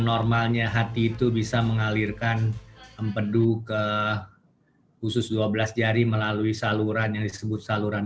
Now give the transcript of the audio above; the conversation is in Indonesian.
normalnya hati itu bisa mengalirkan empedu ke khusus dua belas jari melalui saluran yang disebut saluran